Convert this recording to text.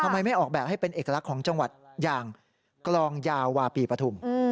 ไม่ออกแบบให้เป็นเอกลักษณ์ของจังหวัดอย่างกลองยาวาปีปฐุม